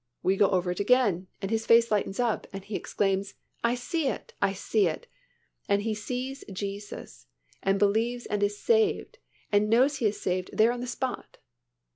We go over it again and his face lightens up and he exclaims, "I see it. I see it," and he sees Jesus and believes and is saved and knows he is saved there on the spot.